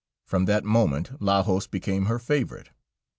From that moment Lajos became her favorite.